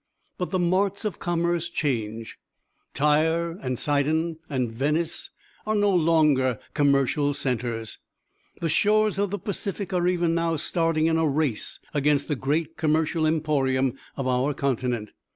But the marts of commerce change. Tyre and Sidon, and Venice are no longer commercial centres. The shores of the Pacific are even now starting in a race against the great commercial emporium of our continent.